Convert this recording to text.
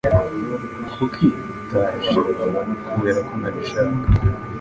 Kuki utaje?" "Kubera ko ntabishaka."